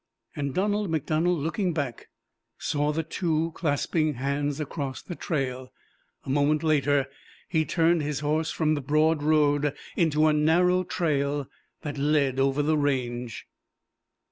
And Donald MacDonald, looking back, saw the two clasping hands across the trail. A moment later he turned his horse from the broad road into a narrow trail that led over the range.